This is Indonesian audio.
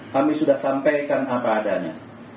kami sudah sampaikan apa adanya